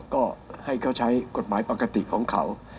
ก็ให้เขาใช้กฎหมายปกติของเขา